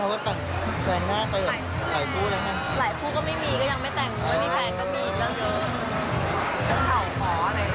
ข่าวฟ้าอะไรอย่างงี้ล่ะ